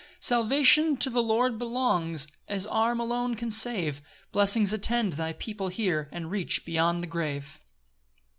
8 Salvation to the Lord belongs, His arm alone can save; Blessings attend thy people here, And reach beyond the grave.